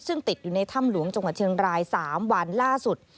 ซึ่งติดอยู่ในถ้ำหลวงจังหวัดเชียงราย๓วันล่าสุด